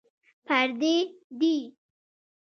پردي دي.